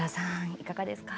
いかがですか？